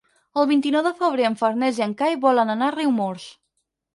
El vint-i-nou de febrer en Ferran i en Cai volen anar a Riumors.